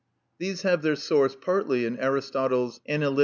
These have their source partly in Aristotle's _Analyt.